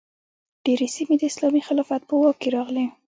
ډیرې سیمې د اسلامي خلافت په واک کې راغلې.